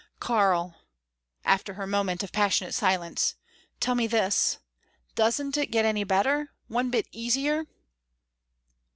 "Karl," after her moment of passionate silence "tell me this. Doesn't it get any better? One bit easier?"